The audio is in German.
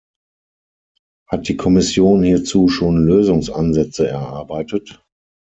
Hat die Kommission hierzu schon Lösungsansätze erarbeitet?